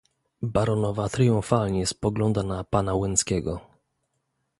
"Baronowa tryumfalnie spogląda na pana Łęckiego."